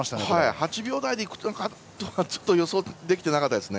８秒台でいくとはちょっと予想できてなかったです。